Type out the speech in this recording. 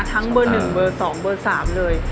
ทั้งเบอร์๑เบอร์๒เบอร์๓เลย